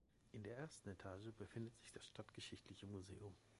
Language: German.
In der ersten Etage befindet sich das Stadtgeschichtliche Museum.